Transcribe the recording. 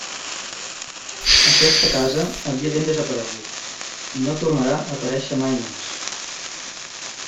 Aquesta casa havia ben desaparegut i no tornarà a aparèixer mai més.